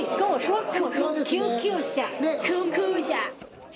救急車、救急車。